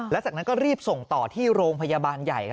แล้วจากนั้นก็รีบส่งต่อที่โรงพยาบาลใหญ่